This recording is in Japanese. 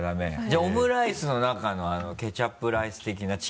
じゃあオムライスの中のケチャップライス的な。